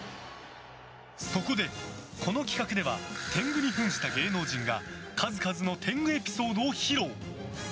そこで、この企画では天狗にふんした芸能人が数々の天狗エピソードを披露！